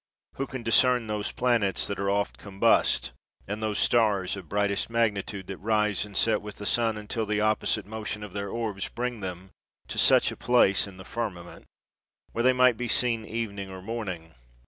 Who can discern those planets that are oft com bust, and those stars of brightest magnitude that rise and set with the sun, until the opposite mo tion of their orbs bring them to such a place in the firmament, where they may be seen evening or morning?